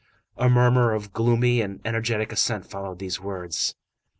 A murmur of gloomy and energetic assent followed these words.